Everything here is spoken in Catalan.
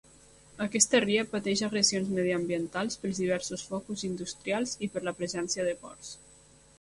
Aquesta ria pateix agressions mediambientals pels diversos focus industrials i per la presència de ports.